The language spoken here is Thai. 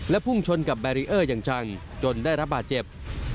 พุ่งชนกับแบรีเออร์อย่างจังจนได้รับบาดเจ็บ